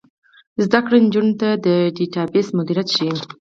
زده کړه نجونو ته د ډیټابیس مدیریت ښيي.